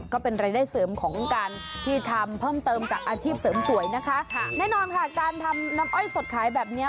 ก็เป็นรายได้เสริมของการที่ทำเพิ่มเติมจากอาชีพเสริมสวยนะคะค่ะแน่นอนค่ะการทำน้ำอ้อยสดขายแบบเนี้ย